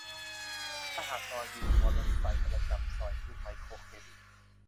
สหกรณ์วินมอเตอร์ไซค์ประจำซอย คือไมโครเครดิต